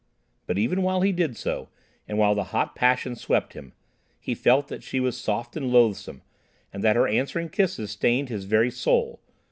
But even while he did so, and while the hot passion swept him, he felt that she was soft and loathsome, and that her answering kisses stained his very soul....